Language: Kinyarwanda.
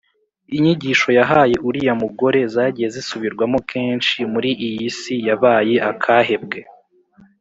Inyigisho yahaye uriya mugore zagiye zisubirwamo kenshi muri iyi si yabaye akahebwe.